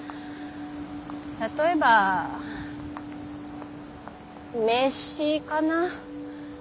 例えば名刺かな。